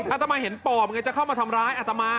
อาตมาเห็นปอบไงจะเข้ามาทำร้ายอาตมา